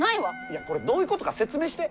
いやこれどういうことか説明して！